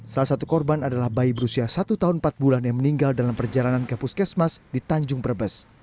salah satu korban adalah bayi berusia satu tahun empat bulan yang meninggal dalam perjalanan ke puskesmas di tanjung brebes